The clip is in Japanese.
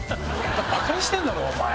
バカにしてんだろお前！